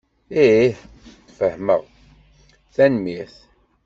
Ih, fehmeɣ. Tanemmirt.